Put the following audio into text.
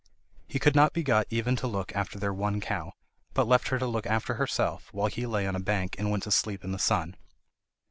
He could not be got even to look after their one cow, but left her to look after herself, while he lay on a bank and went to sleep in the sun.